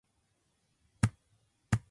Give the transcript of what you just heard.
日本で初めて、女性総理大臣が誕生した。